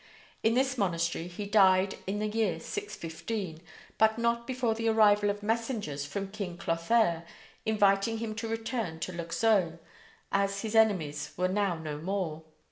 In this monastery he died in the year 615, but not before the arrival of messengers from King Clothaire, inviting him to return to Luxeuil, as his enemies were now no more.